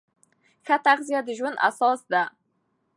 ښه تغذیه د ژوند اساس ده.